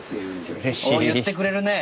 お言ってくれるねぇ。